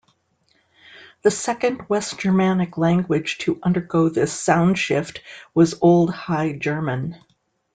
The second West Germanic language to undergo this sound shift was Old High German.